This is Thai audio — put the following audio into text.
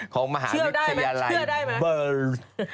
ของมหาวิทยาลัยเบอร์